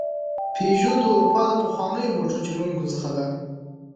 پيژو د اروپا له پخوانیو موټر جوړونکو څخه ده.